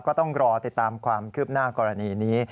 ก็ต้องรอติดตามความคืบหน้ากรณีนี้